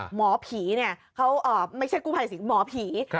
หมอผีเนี่ยเขาไม่ใช่กู้ภัยสิงหมอผี